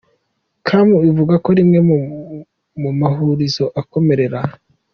com ivuga ko rimwe mu mahurizo akomerera.